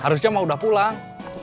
harusnya mau udah pulang